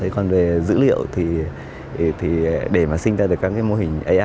còn về dữ liệu thì để mà sinh ra được các cái mô hình ai